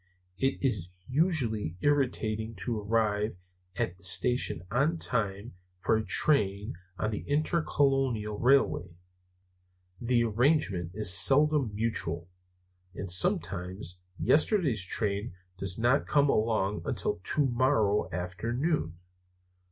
It is usually irritating to arrive at the station on time for a train on the Intercolonial Railway. The arrangement is seldom mutual; and sometimes yesterday's train does not come along until to morrow afternoon.